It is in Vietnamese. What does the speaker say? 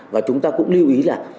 và chúng ta cũng lưu ý là